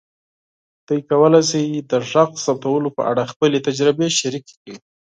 تاسو کولی شئ د غږ ثبتولو په اړه خپلې تجربې شریکې کړئ.